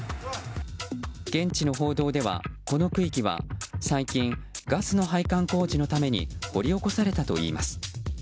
現地の報道では、この区域は最近ガスの配管工事のために掘り起こされたといいます。